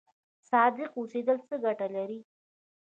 صادق اوسیدل څه ګټه لري؟